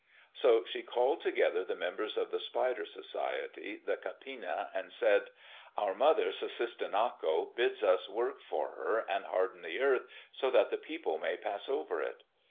So she called together the members of the Spider society, the Kapina, and said, "Our mother, Sussistinnako, bids us work for her and harden the earth so that the people may pass over it."